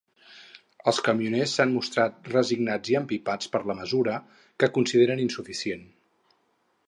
Els camioners s'han mostrat resignats i empipats per la mesura, que consideren insuficient.